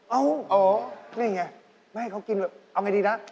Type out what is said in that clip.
เอานี่ไงไม่ให้เขากินแบบเอาไงดีนะ